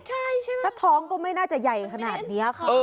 ใช่ใช่ไหมถ้าท้องก็ไม่น่าจะใหญ่ขนาดนี้ค่ะ